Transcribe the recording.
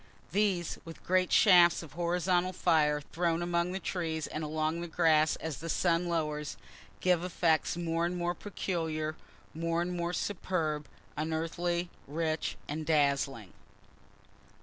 These, with great shafts of horizontal fire thrown among the trees and along the grass as the sun lowers, give effects more and more peculiar, more and more superb, unearthly, rich and dazzling.